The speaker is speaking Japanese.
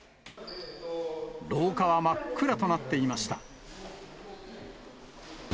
廊下は真っ暗となっていました。